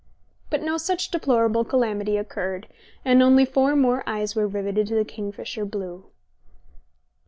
But no such deplorable calamity occurred, and only four more eyes were riveted to the kingfisher blue.